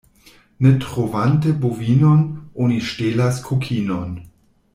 Ne trovante bovinon, oni ŝtelas kokinon.